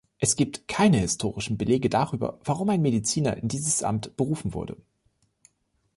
Es gibt keine historischen Belege darüber, warum ein Mediziner in dieses Amt berufen wurde.